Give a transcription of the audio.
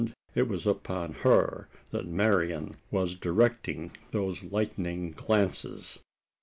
It was upon her that Marian was directing those lightning glances.